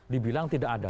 dibilang tidak ada